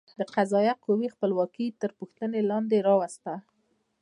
د قضایه قوې خپلواکي تر پوښتنې لاندې راوسته.